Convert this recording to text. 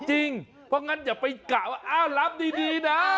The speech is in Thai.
เพราะงั้นอย่าไปกะว่าอ้าวรับดีนะ